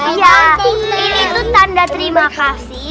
iya ini tuh tanda terima kasih